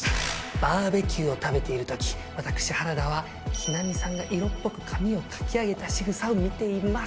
バーベキューを食べている時わたくし原田は日菜美さんが色っぽく髪をかき上げた仕草を見ています。